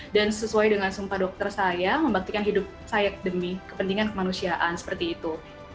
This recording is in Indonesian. dan sesuai dengan sumpah dokter saya membaktikan hidup saya demi kepentingan kemanusiaan seperti itu